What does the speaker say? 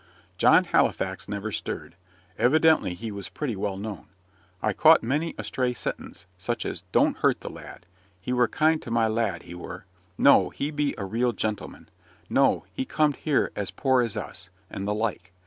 John Halifax never stirred. Evidently he was pretty well known. I caught many a stray sentence, such as "Don't hurt the lad." "He were kind to my lad, he were." "No, he be a real gentleman." "No, he comed here as poor as us," and the like.